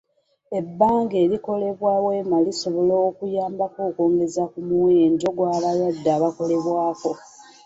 Ebbanga erikolebwa weema lisobola okuyamba okwongeza omuwendo gw'abalwadde abakolebwako.